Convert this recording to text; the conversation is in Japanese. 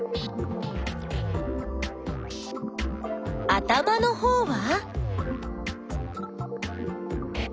頭のほうは？